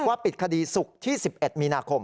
ปิดคดีศุกร์ที่๑๑มีนาคม